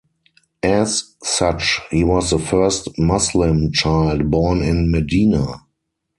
As such, he was the first Muslim child born in Medina.